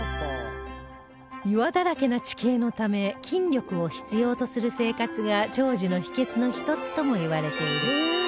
岩だらけな地形のため筋力を必要とする生活が長寿の秘訣の一つともいわれている